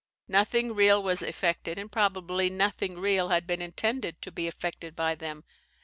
Nothing real was effected, and probably nothing real had been intended to be effected by them.